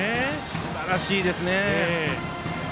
すばらしかったですね。